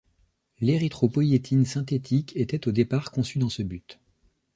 L'érythropoïétine synthétique était au départ conçue dans ce but.